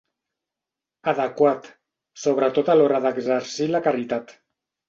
Adequat, sobretot a l'hora d'exercir la caritat.